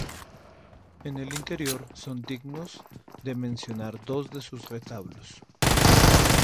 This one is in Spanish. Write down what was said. En el interior son dignos de mencionar dos de sus retablos.